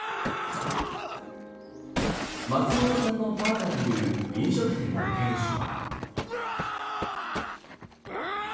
松本さんのファンだという飲食店の店主は。